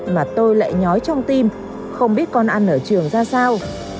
mà tôi lệ nhói trong tim không biết con ăn ở trường ra sao